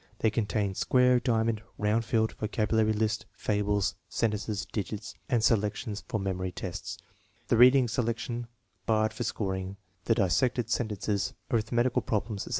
They contain square, diamond, round field, vocabulary list, fables, sen tences, digits, and selections for memory tests, the reading selection barred for scoring, the dissected sentences, arith metical problems, etc.